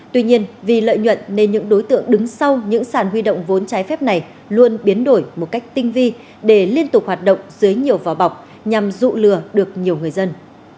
tuy nhiên vì lợi nhuận nên những đối tượng đứng sau những sàn huy động vốn trái phép này luôn biến đổi một cách tinh vi để liên tục hoạt động dưới nhiều vỏ bọc nhằm dụ lừa được nhiều người dân